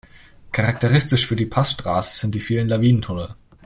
Charakteristisch für die Passstraße sind die vielen Lawinentunnel.